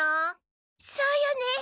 そうよね。